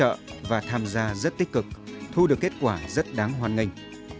hỗ trợ và tham gia rất tích cực thu được kết quả rất đáng hoan nghênh